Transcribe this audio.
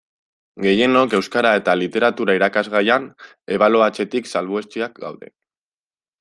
Gehienok Euskara eta Literatura irakasgaian ebaluatzetik salbuetsiak gaude.